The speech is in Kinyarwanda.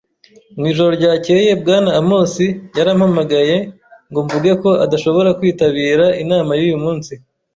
Mu ijoro ryakeye, Bwana Amosi yarampamagaye ngo mvuge ko adashobora kwitabira inama yuyu munsi.